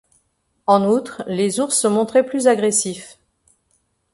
En outre, les ours se montraient plus agressifs.